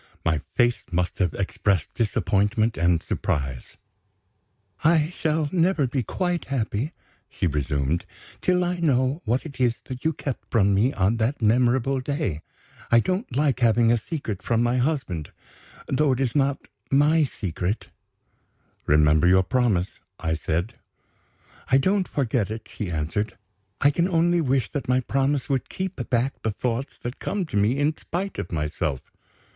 My face must have expressed disappointment and surprise. "I shall never be quite happy," she resumed, "till I know what it is that you kept from me on that memorable day. I don't like having a secret from my husband though it is not my secret." "Remember your promise," I said "I don't forget it," she answered. "I can only wish that my promise would keep back the thoughts that come to me in spite of myself."